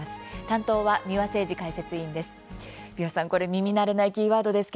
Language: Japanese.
担当は三輪誠司解説委員です。